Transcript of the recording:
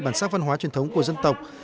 bản sắc văn hóa truyền thống của dân tộc